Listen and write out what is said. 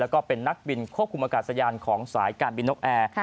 แล้วก็เป็นนักบินควบคุมอากาศยานของสายการบินนกแอร์